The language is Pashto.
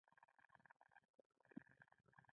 د قرآن اورېدونکی زړه نه تیاره کېږي.